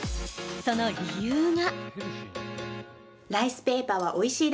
その理由が。